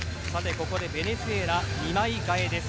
ここでベネズエラ２枚替えです。